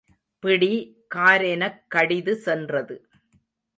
பிடி காரெனக் கடிது சென்றது.